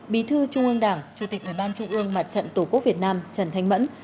bí thư trung ương đảng chủ tịch nước ban chấp hành trung ương mặt trận tổ quốc việt nam trần thanh mẫn